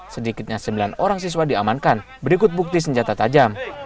sedikitnya sembilan orang siswa diamankan berikut bukti senjata tajam